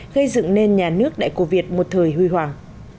gây dựng nên nhà nước đại cổ việt một thời huy hoàng